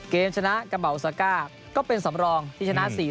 เกมชนะกาเบาซากาก็เป็นสำรองที่ชนะ๔๐